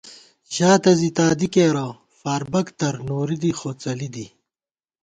ژاتہ زی تادی کېرہ فاربَک تر، نوری دی خوڅلی دی